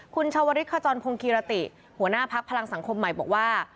คุณชาวริสขจรพงกิรติหัวหน้าพักพลังสังคมใหม่บอกว่า